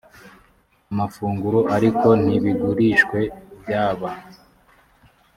amafunguro ariko ntibigurishwe byaba